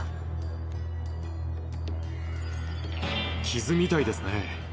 傷みたいですね。